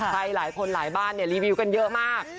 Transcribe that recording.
กลายหลายคนหลายบ้านเนี่ยรีวิวกันเยอะมาก